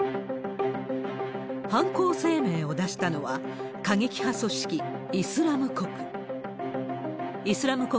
犯行声明を出したのは、過激派組織イスラム国。